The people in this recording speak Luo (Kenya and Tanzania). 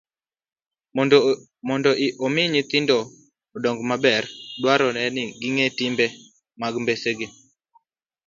Mondo omi nyithindo odong maber, dwarore ni ging'e timbe mag mbesegi.